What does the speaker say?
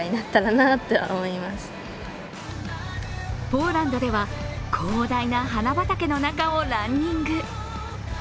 ポーランドでは、広大な花畑の中をランニング。